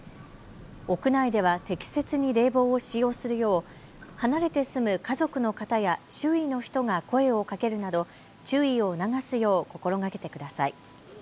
屋内では適切に冷房を使用するよう離れて住む家族の方や周囲の人が声をかけるなど注意を促すよう心がけてください。